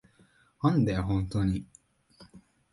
なんだよ、ホントに。